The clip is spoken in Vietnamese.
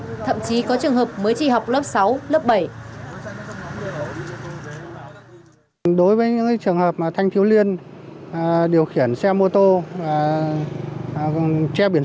và trẻ trẻ đối với những trường hợp thanh thiếu liên điều khiển xe mô tô đối với những trường hợp thanh thiếu liên đối với những trường hợp thanh thiếu liên